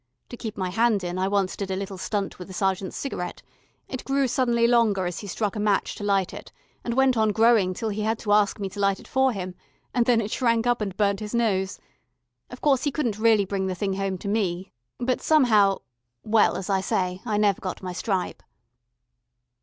To keep my hand in, I once did a little stunt with the sergeant's cigarette: it grew suddenly longer as he struck a match to light it, and went on growing till he had to ask me to light it for him, and then it shrank up and burnt his nose. Of course he couldn't really bring the thing home to me, but somehow well, as I say, I never got my stripe."